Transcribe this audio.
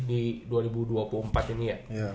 di dua ribu dua puluh empat ini ya